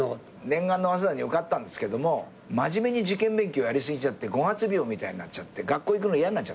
念願の早稲田に受かったんですけども真面目に受験勉強やり過ぎちゃって五月病みたいになっちゃって学校行くの嫌になっちゃった。